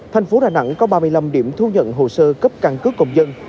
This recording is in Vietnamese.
thành phố đà nẵng có ba mươi năm điểm thu nhận hồ sơ cấp căn cước công dân